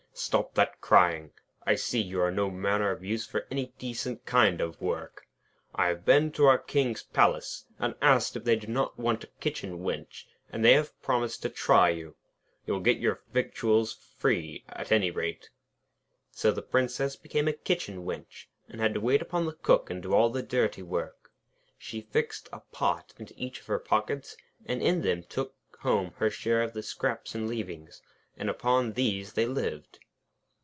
'Stop that crying. I see you are no manner of use for any decent kind of work. I have been to our King's palace, and asked if they do not want a kitchen wench, and they have promised to try you. You will get your victuals free, at any rate.' So the Princess became a kitchen wench, and had to wait upon the Cook and do all the dirty work. She fixed a pot into each of her pockets, and in them took home her share of the scraps and leavings, and upon these they lived.